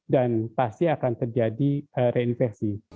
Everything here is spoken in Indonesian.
dan pasti akan terjadi reinfeksi